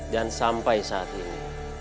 dan sampai saat ini